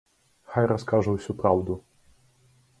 Хай раскажа ўсю праўду!